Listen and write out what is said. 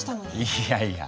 いやいや。